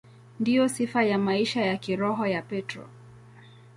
Ndiyo sifa ya maisha ya kiroho ya Petro.